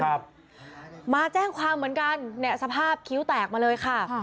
มาแจ้งความเหมือนกันเนี่ยสภาพคิ้วแตกมาเลยค่ะ